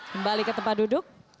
kembali ke tempat duduk